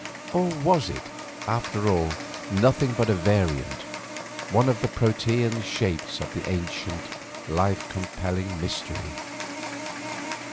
Or was it, after all, nothing but a variant, one of the Protean shapes of the ancient, life compelling mystery?